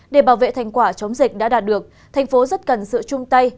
để bảo vệ thành quả chống dịch đã đạt được thành phố rất cần sự chung tay